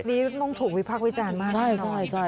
นี่ต้องถูกวิพักวิจารณ์มาก